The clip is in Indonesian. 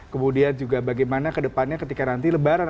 kemudian juga bagaimana kedepannya ketika nanti lebaran